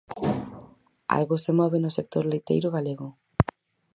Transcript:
Algo se move no sector leiteiro galego.